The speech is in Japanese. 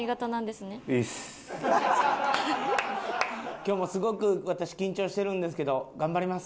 「今日もすごく私緊張してるんですけど頑張ります」。